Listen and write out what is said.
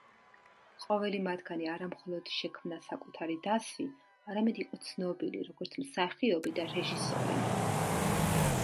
ყოველი მათგანი არა მხოლოდ შექმნა საკუთარი დასი, არამედ იყო ცნობილი, როგორც მსახიობი და რეჟისორი.